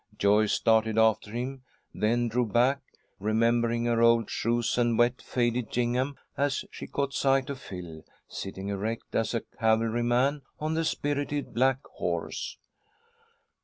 Joyce started after him, then drew back, remembering her old shoes and wet, faded gingham, as she caught sight of Phil, sitting erect as a cavalryman on the spirited black horse.